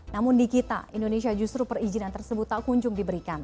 namun di kita indonesia justru perizinan tersebut tak kunjung diberikan